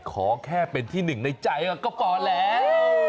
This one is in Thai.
ขอแค่เป็นที่หนึ่งในใจก็พอแล้ว